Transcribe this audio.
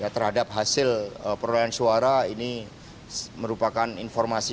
terhadap hasil perolahan suara ini merupakan informasi